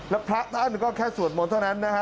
แล้วพระท่านก็แค่สวดมนต์เท่านั้นนะฮะ